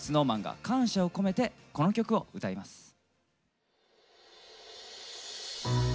ＳｎｏｗＭａｎが感謝を込めてこの曲を歌います。